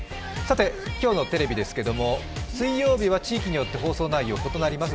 今日のテレビですけど、水曜日は地域によって放送内容が異なります。